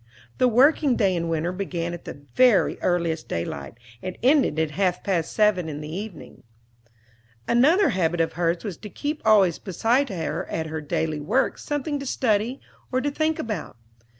The working day in winter began at the very earliest daylight, and ended at half past seven in the evening. Another habit of hers was to keep always beside her at her daily work something to study or to think about.